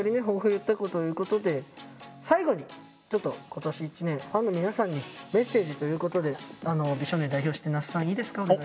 抱負を言ったということで最後にちょっと今年一年ファンの皆さんにメッセージということで美少年代表して那須さんいいですか？